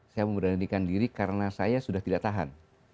saya memberanikan diri karena saya sudah tidak tahan